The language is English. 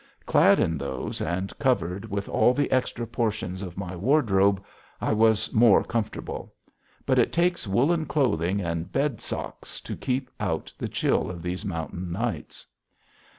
Clad in those, and covered with all the extra portions of my wardrobe, I was more comfortable. But it takes woolen clothing and bed socks to keep out the chill of those mountain nights.